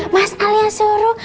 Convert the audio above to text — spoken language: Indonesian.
mas al yang suruh